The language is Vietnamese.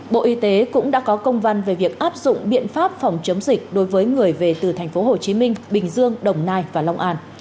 bộ y tế cũng đã có công văn về việc áp dụng biện pháp phòng chống dịch đối với người về từ tp hcm bình dương đồng nai và long an